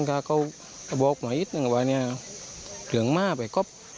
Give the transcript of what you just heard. ก็บวกมาอีกนึงว่าเนี่ยเรืองมากไปครบ